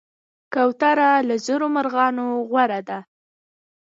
کوتره له زرو مرغانو غوره ده.